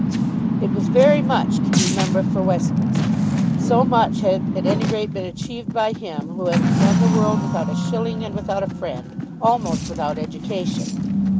It was very much to be member for Westminster. So much had at any rate been achieved by him who had begun the world without a shilling and without a friend, almost without education!